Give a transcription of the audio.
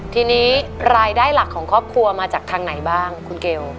ทีนี้รายได้หลักของครอบครัวมาจากทางไหนบ้างคุณเกล